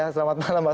selamat malam mas